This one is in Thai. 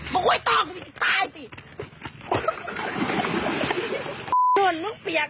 มึงเปียกชอบหวยปีก